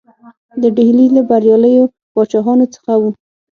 د ډهلي له بریالیو پاچاهانو څخه وو.